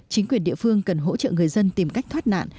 chính quyền địa phương cần hỗ trợ người dân tìm cách thoát nạn